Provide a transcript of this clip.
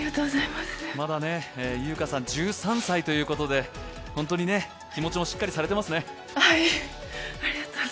まだ悠華さん、１３歳ということで気持ちもしっかりされてますね。